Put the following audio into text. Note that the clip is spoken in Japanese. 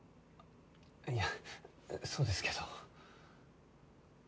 いやそうですけど。